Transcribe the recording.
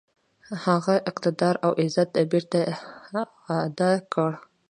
هغه اقتدار او عزت بیرته اعاده کړي.